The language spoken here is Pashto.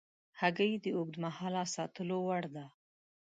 هګۍ د اوږد مهاله ساتلو وړ ده.